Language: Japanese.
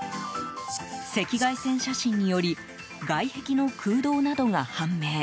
赤外線写真により外壁の空洞などが判明。